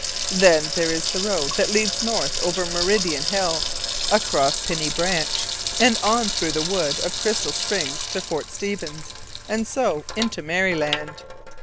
Then there is the road that leads north over Meridian Hill, across Piny Branch, and on through the wood of Crystal Springs to Fort Stevens, and so into Maryland.